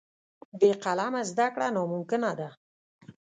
بې قلمه زده کړه ناممکنه ده.